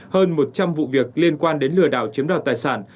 hơn một trăm linh vụ việc liên quan đến lừa đảo chiếm đoạt tài sản